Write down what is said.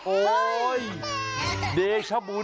โอ๊ยเดชบุญ